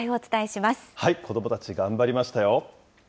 子どもたち、頑張りましたよ。